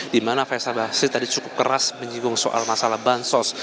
di mana faisal basri tadi cukup keras menyinggung soal masalah bansos